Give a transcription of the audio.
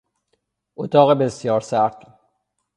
اتاق بسیار سرد